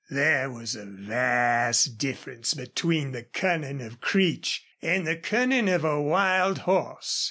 There was a vast difference between the cunning of Creech and the cunning of a wild horse.